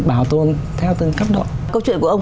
bảo tồn theo từng cấp độ câu chuyện của ông